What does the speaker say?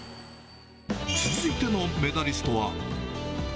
続いてのメダリストは。